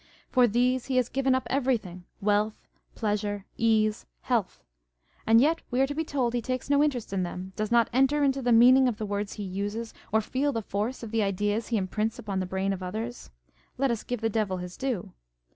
For these he has given up everything, wealth, pleasure, ease, health ; and yet we are to be told he takes no interest in them, does not enter into the meaning of the words he uses, or feel the force of the ideas he imprints upon the brain of others. Let us give the Devil his due.